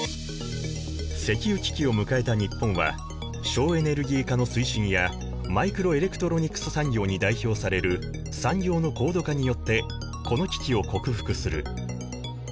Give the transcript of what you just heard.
石油危機を迎えた日本は省エネルギー化の推進やマイクロエレクトロニクス産業に代表される産業の高度化によってこの危機を克服する。